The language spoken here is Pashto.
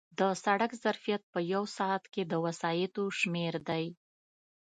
د سړک ظرفیت په یو ساعت کې د وسایطو شمېر دی